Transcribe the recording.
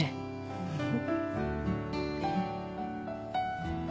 フフフ。